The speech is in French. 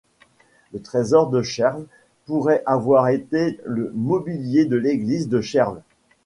Le trésor de Cherves pourrait avoir été le mobilier de l'église de Cherves.